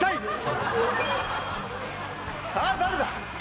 さあ誰だ？